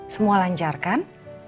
semua lancar kan